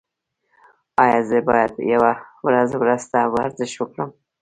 ایا زه باید یوه ورځ وروسته ورزش وکړم؟